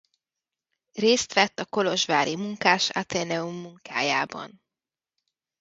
Részt vett a kolozsvári Munkás Athenaeum munkájában.